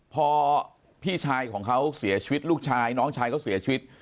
พอพี่ชายของเขาเสียชีวิตลูกชายน้องชายเขาเสียชีวิต